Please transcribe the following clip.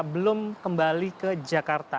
belum kembali ke jakarta